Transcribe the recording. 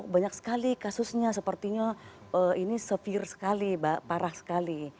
banyak sekali kasusnya sepertinya ini severe sekali parah sekali